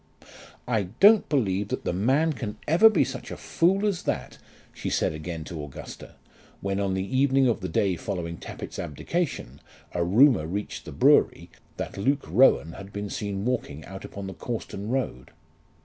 "I don't believe that the man can ever be such a fool as that!" she said again to Augusta, when on the evening of the day following Tappitt's abdication, a rumour reached the brewery that Luke Rowan had been seen walking out upon the Cawston road.